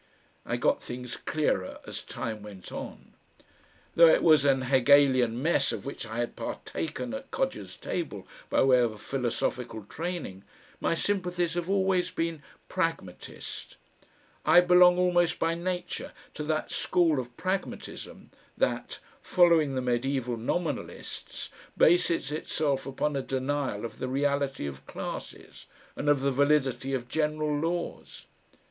I got things clearer as time went on. Though it was an Hegelian mess of which I had partaken at Codger's table by way of a philosophical training, my sympathies have always been Pragmatist. I belong almost by nature to that school of Pragmatism that, following the medieval Nominalists, bases itself upon a denial of the reality of classes, and of the validity of general laws.